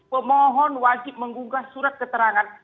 pemohon wajib menggugah surat keterangan